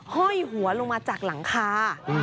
ห้อยหัวลงมาจากหลังคา